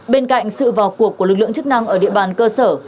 bên cạnh sự vào cuộc của lực lượng chức năng ở địa bàn cơ sở